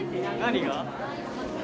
何が？